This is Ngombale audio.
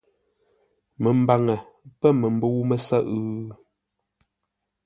Məmbaŋə pə̂ məmbə̂u mə́sə́ghʼə́?